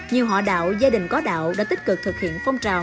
nhiều họ đạo gia đình có đạo đã tích cực thực hiện phong trào